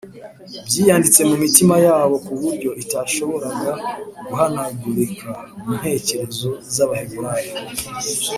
byiyanditse mu mitima yabo ku buryo itashoboraga guhanagurika mu ntekerezo z’abaheburayo.